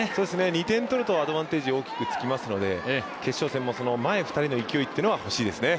２点取るとアドバンテージが大きくつきますので決勝戦も、前２人の勢いっていうのは欲しいですね。